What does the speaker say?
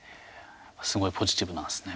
すごいポジティブなんですね